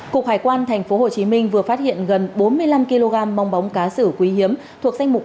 cục hải quan thành phố hồ chí minh vừa phát hiện gần bốn mươi năm kg mong bóng cá sử quý hiếm thuộc danh mục